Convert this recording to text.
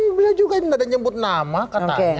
tidak ada juga tidak ada yang nyebut nama katanya